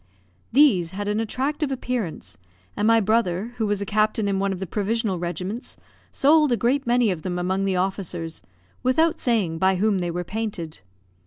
These had an attractive appearance; and my brother, who was a captain in one of the provisional regiments, sold a great many of them among the officers, without saying by whom they were painted.